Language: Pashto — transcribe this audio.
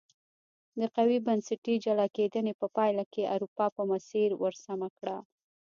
د قوي بنسټي جلا کېدنې په پایله کې اروپا په مسیر ور سمه کړه.